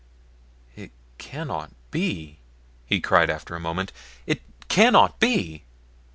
"It cannot be!" he cried after a moment. "It cannot be!